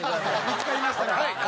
見付かりましたか。